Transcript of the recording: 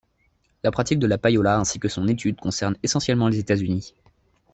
La pratique de la payola ainsi que son étude concernent essentiellement les États-Unis.